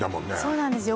そうなんです